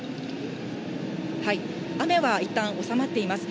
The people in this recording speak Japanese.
雨はいったん収まっています。